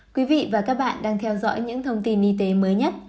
quý vị và các bạn đang theo dõi những thông tin y tế mới nhất